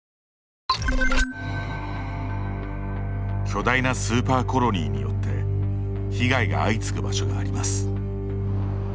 巨大なスーパーコロニーによって被害が相次ぐ場所があります。